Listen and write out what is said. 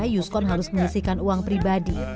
yuskon harus mengisikan uang pribadi